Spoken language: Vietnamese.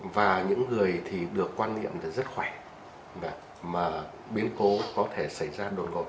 và những người thì được quan niệm là rất khỏe mà biến cố có thể xảy ra đột ngột